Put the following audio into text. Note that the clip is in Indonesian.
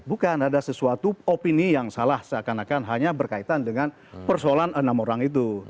bukan ada sesuatu opini yang salah seakan akan hanya berkaitan dengan persoalan enam orang itu